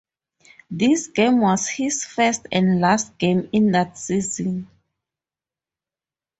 This game was his first and last game in that season.